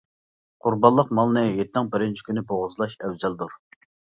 قۇربانلىق مالنى ھېيتنىڭ بىرىنچى كۈنى بوغۇزلاش ئەۋزەلدۇر.